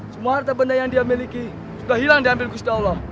semua harta benda yang dia miliki sudah hilang diambil gusti allah